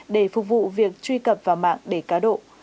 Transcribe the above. để phục vụ việc truy cập vào mạng để cá độ